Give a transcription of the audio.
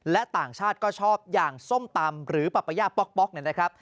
และต่างชาติก็ชอบอย่างส้มตำหรือปัย่าป๊อกเนี่ยนะครับ